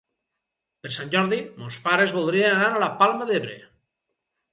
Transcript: Per Sant Jordi mons pares voldrien anar a la Palma d'Ebre.